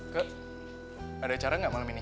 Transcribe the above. ke ada acara gak malem ini